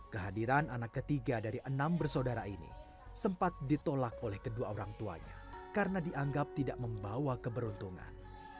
kehadiran anak ketiga dari enam bersaudara ini sempat ditolak oleh kedua orang tuanya karena dianggap tidak membawa keberuntungan